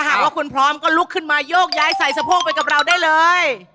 หากว่าคุณพร้อมก็ลุกขึ้นมาโยกย้ายใส่สะโพกไปกับเราได้เลย